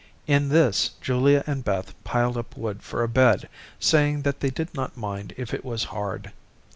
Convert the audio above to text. In this Julia and Beth piled up wood for a bed, saying that they did not mind if it was hard.